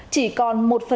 chỉ còn một